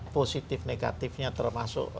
positif negatifnya termasuk